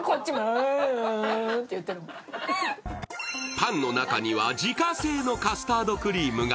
パンの中には自家製のカスタードクリームが。